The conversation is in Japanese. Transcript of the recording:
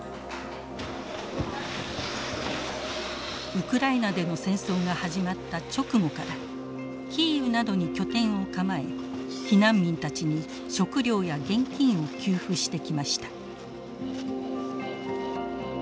ウクライナでの戦争が始まった直後からキーウなどに拠点を構え避難民たちに食料や現金を給付してきました。